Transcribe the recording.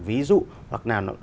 ví dụ hoặc nào